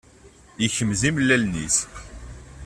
Yekmez imellalen-is